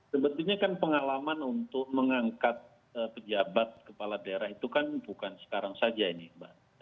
sebetulnya kan pengalaman untuk mengangkat pejabat kepala daerah itu kan bukan sekarang saja ini mbak